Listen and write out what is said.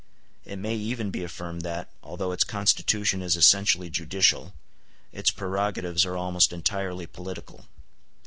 It may even be affirmed that, although its constitution is essentially judicial, its prerogatives are almost entirely political.